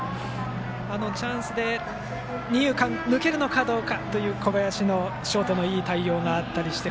チャンスで二遊間抜けるのかどうかという小林のショートのいい対応があったりして。